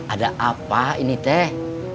ada apa ini teh